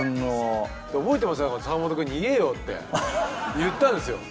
覚えてますよだから坂本君に言えよって言ったんですよ。